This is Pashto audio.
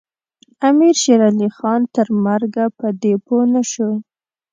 امیر شېرعلي خان تر مرګه په دې پوه نه شو.